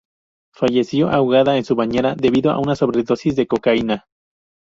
Falleció ahogada en su bañera debido a una sobredosis de cocaína.